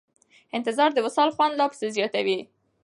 انتظار د وصال خوند لا پسې زیاتوي.